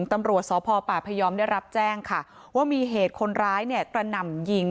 ตำรวจสพปพยอมได้รับแจ้งค่ะว่ามีเหตุคนร้ายเนี่ยกระหน่ำยิง